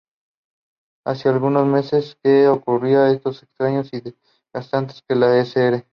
Hacía algunos meses que ocurrían hechos extraños y desagradables que la Sra.